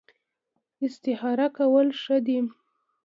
استخاره کول ښه دي